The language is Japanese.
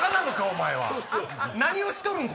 お前は何をしとるん？